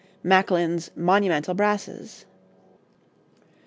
Macklin's 'Monumental Brasses.'